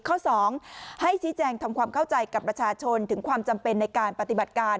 ข้อ๒ให้ชี้แจงทำความเข้าใจกับประชาชนถึงความจำเป็นในการปฏิบัติการ